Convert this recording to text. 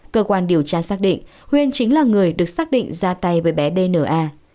cơ quan điều tra xác định huyên chính là người được xác định ra tay với bé dna